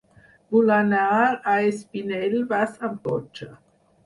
Vull anar a Espinelves amb cotxe.